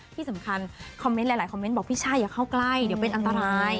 ที่สำคัญคอมเมนต์หลายคอมเมนต์บอกพี่ช่าอย่าเข้าใกล้เดี๋ยวเป็นอันตราย